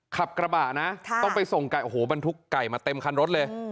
ขับกระบะนะต้องไปส่งไก่โอ้โหบรรทุกไก่มาเต็มคันรถเลย